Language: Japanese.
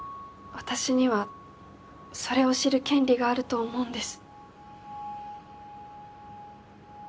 私にはそれを知る権利があると思うんです。